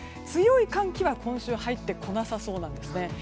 強い寒気は今週入ってこなさそうなんですね。